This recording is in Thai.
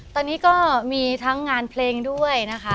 ตอนนี้ก็มีทั้งงานเพลงด้วยนะคะ